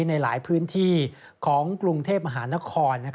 ในหลายพื้นที่ของกรุงเทพมหานคร